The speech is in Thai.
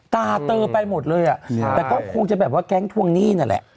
ตาเตอไปหมดเลยอ่ะแต่ก็คงจะแบบว่าแก๊งทวงหนี้นั่นแหละ